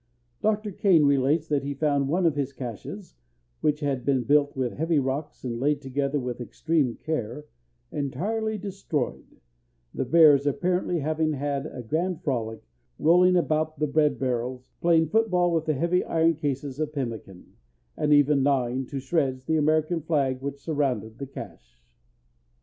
Dr. Kane relates that he found one of his caches, which had been built with heavy rocks laid together with extreme care, entirely destroyed, the bears apparently having had a grand frolic, rolling about the bread barrels, playing foot ball with the heavy iron cases of pemmican, and even gnawing to shreds the American flag which surmounted the cache.